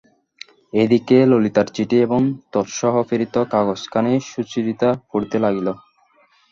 এ দিকে ললিতার চিঠি এবং তৎসহ প্রেরিত কাগজখানি সুচরিতা পড়িতে লাগিল।